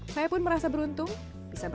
saya pun merasa beruntung